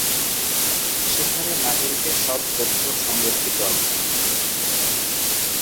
সেখানে নাগরিকের সব তথ্য সংরক্ষিত আছে।